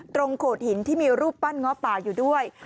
โขดหินที่มีรูปปั้นง้อป่าอยู่ด้วย